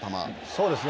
そうですね。